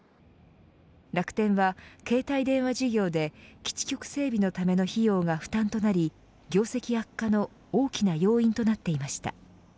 楽天は、携帯電話事業で基地局整備のための費用が負担となり業績悪化の大きな要因となっていました。